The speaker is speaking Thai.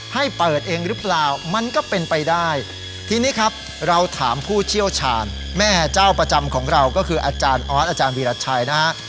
ให้เปิดเองหรือเปล่ามันก็เป็นไปได้ทีนี้ครับเราถามผู้เชี่ยวชาญแม่เจ้าประจำของเราก็คืออาจารย์ออสอาจารย์วีรชัยนะฮะ